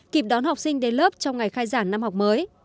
kịp đón học sinh đến lớp trong ngày khai giảng năm học mới